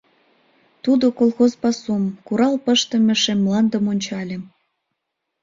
— Тудо колхоз пасум, курал пыштыме шем мландым ончале.